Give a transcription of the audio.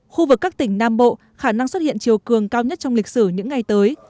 khu vực các tỉnh nam bộ khả năng xuất hiện chiều cường cao nhất trong lịch sử những ngày tới